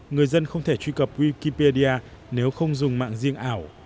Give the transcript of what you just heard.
người dân không thể truy cập wikipedia nếu không dùng mạng riêng ảo